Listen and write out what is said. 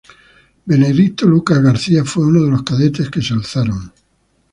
Benedicto Lucas García fue uno de los cadetes que se alzaron.